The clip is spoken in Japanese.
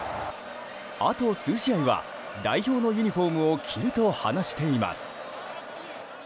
あと数試合は代表のユニホームを着ると話しています。